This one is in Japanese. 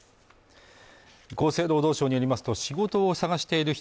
厚生労働省によりますと仕事を探している人